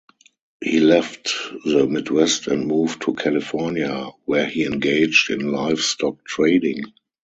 He left the Midwest and moved to California where he engaged in livestock trading.